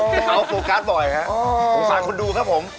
ที่เอาโฟกัสบ่อยผมชวนดูครับผม